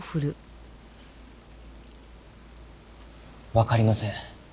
わかりません。